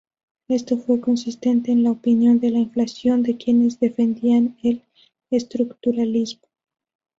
Esto fue consistente con la opinión de la inflación de quienes defendían el estructuralismo.